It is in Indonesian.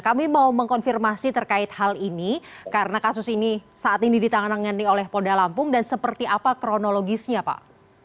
kami mau mengkonfirmasi terkait hal ini karena kasus ini saat ini ditangani oleh polda lampung dan seperti apa kronologisnya pak